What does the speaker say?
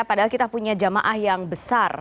padahal kita punya jamaah yang besar